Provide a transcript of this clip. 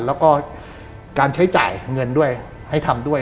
แล้วก็การใช้จ่ายเงินด้วยให้ทำด้วย